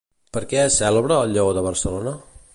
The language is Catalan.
Per què és cèlebre el Lleó de Barcelona?